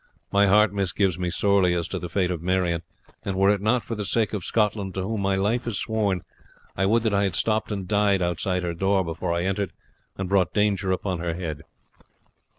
My heart misgives me sorely as to the fate of Marion; and were it not for the sake of Scotland, to whom my life is sworn, I would that I had stopped and died outside her door before I entered and brought danger upon her head.